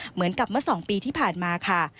เหมือนกับเมื่อ๒ปีที่ผ่านมาค่ะ